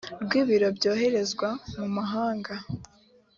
rw ibiro byoherezwa mu mahanga